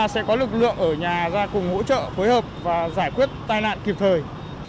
sẽ có lực lượng ở nhà ra cùng hỗ trợ phối hợp và giải quyết tai nạn kịp thời